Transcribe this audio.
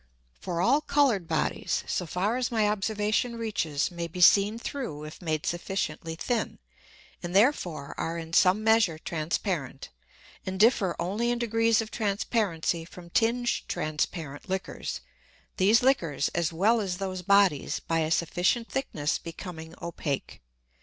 For all colour'd Bodies, so far as my Observation reaches, may be seen through if made sufficiently thin, and therefore are in some measure transparent, and differ only in degrees of Transparency from tinged transparent Liquors; these Liquors, as well as those Bodies, by a sufficient Thickness becoming opake.